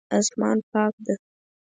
اسمان پاک ده